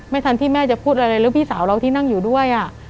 ไม่ทันที่แม่จะพูดอะไรแล้วพี่สาวเราที่นั่งอยู่ด้วย